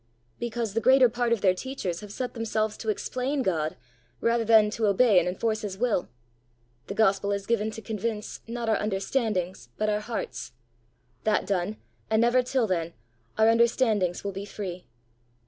"Because the greater part of their teachers have set themselves to explain God rather than to obey and enforce his will. The gospel is given to convince, not our understandings, but our hearts; that done, and never till then, our understandings will be free.